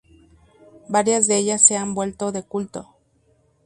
Varias de ellas se han vuelto de culto.